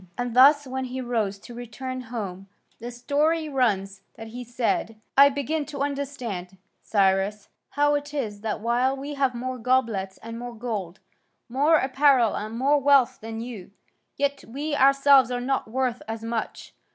And thus when he rose to return home, the story runs that he said: "I begin to understand, Cyrus, how it is that while we have more goblets and more gold, more apparel and more wealth than you, yet we ourselves are not worth as much.